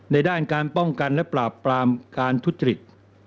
ด้านการป้องกันและปราบปรามการทุจริต